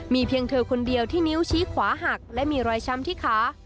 เพียงเธอคนเดียวที่นิ้วชี้ขวาหักและมีรอยช้ำที่ขา